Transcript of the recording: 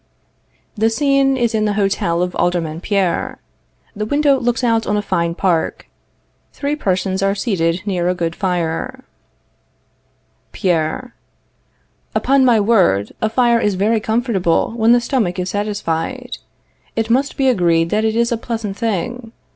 _ [The scene is in the hotel of Alderman Pierre. The window looks out on a fine park; three persons are seated near a good fire.] Pierre. Upon my word, a fire is very comfortable when the stomach is satisfied. It must be agreed that it is a pleasant thing.